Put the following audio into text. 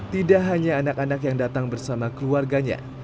tidak hanya anak anak yang datang bersama keluarganya